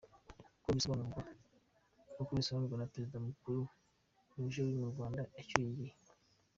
Nk’uko bisobanurwa na Perezida wa kuruwa ruje y’u Rwanda ucyuye igihe .